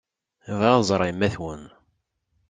Bɣiɣ ad ẓreɣ yemma-twen.